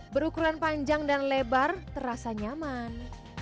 berukuran panjang dan lebar terasa nyaman